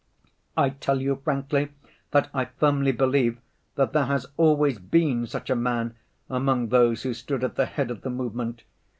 I tell you frankly that I firmly believe that there has always been such a man among those who stood at the head of the movement.